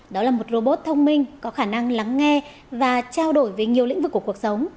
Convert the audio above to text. đó là một robot thông minh có khả năng lắng nghe và trao đổi về nhiều lĩnh vực của cuộc sống